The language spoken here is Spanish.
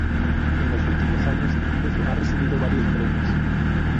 En los últimos años incluso ha recibido varios premios.